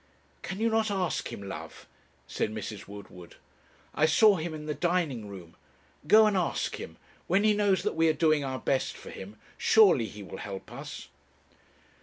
'Can you not ask him, love?' said Mrs. Woodward. 'I saw him in the dining room; go and ask him; when he knows that we are doing our best for him, surely he will help us.'